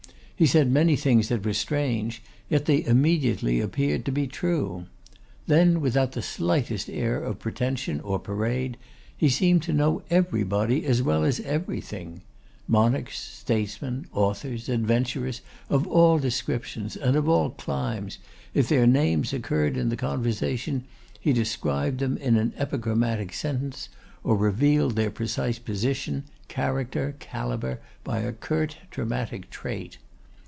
He said many things that were strange, yet they immediately appeared to be true. Then, without the slightest air of pretension or parade, he seemed to know everybody as well as everything. Monarchs, statesmen, authors, adventurers, of all descriptions and of all climes, if their names occurred in the conversation, he described them in an epigrammatic sentence, or revealed their precise position, character, calibre, by a curt dramatic trait.